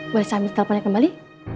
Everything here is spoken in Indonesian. boleh saya ambil telponnya kembali